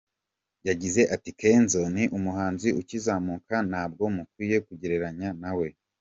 Yagize ati “Kenzo ni umuhanzi ukizamuka, ntabwo mukwiye kungereranya na we”.